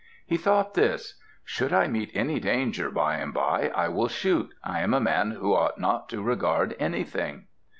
He thought this: "Should I meet any danger by and by, I will shoot. I am a man who ought not to regard anything."